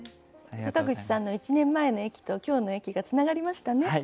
坂口さんの１年前の駅と今日の駅がつながりましたね。